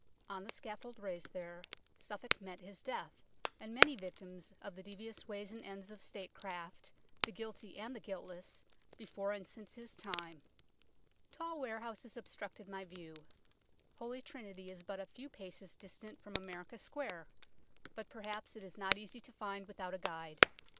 On the scaffold raised there Suffolk met his death, and many victims of the devious ways and ends of statecraft, the guilty and the guiltless, before and since Ms time. Tall ware HEAD OF THE DUKE OF SUFFOLK 5 houses obstructed my view. Holy Trinity is but a few paces distant from America Square, but perhaps is not easy to find without a guide.